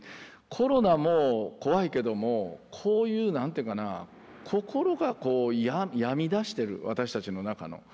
コロナも怖いけどもこういう何ていうかな心が病みだしてる私たちの中の。